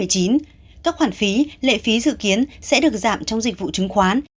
các khoản phí lệ phí dự kiến sẽ được giảm trong dịch vụ chứng khoán